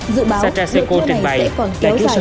dự báo dự kiến này sẽ còn kéo dài